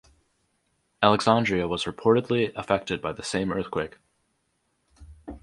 Alexandria was reportedly affected by the same earthquake.